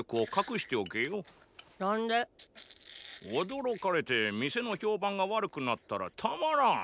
驚かれて店の評判が悪くなったらたまらン。